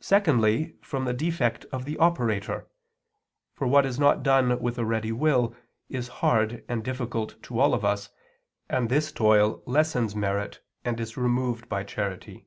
Secondly, from the defect of the operator; for what is not done with a ready will is hard and difficult to all of us, and this toil lessens merit and is removed by charity.